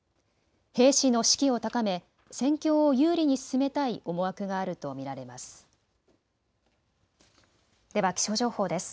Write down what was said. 兵士の士気を高め戦況を有利に進めたい思惑があると見られます。